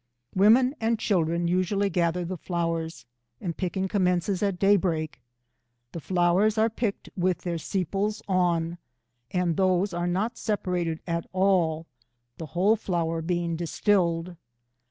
Women and children usually gather the flowers, and picking commences at daybreak. The flowers are picked with their sepals on, and these are not separated at all, the whole flower being distilled.